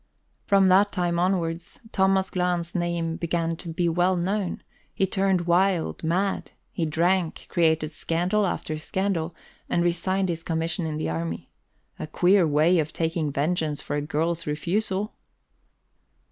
From that time onwards, Thomas Glahn's name began to be well known; he turned wild, mad; he drank, created scandal after scandal, and resigned his commission in the army. A queer way of taking vengeance for a girl's refusal!